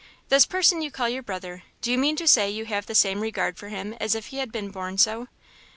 "This person you call your brother do you mean to say you have the same regard for him as if he had been born so?"